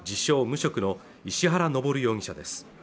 無職の石原登容疑者です